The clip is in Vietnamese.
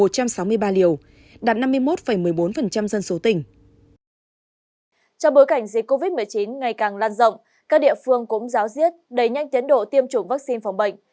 trong bối cảnh dịch covid một mươi chín ngày càng lan rộng các địa phương cũng ráo riết đầy nhanh tiến độ tiêm chủng vaccine phòng bệnh